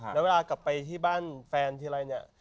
แล้วเวลากลับไปที่บ้านแฟนทีไรเนี่ย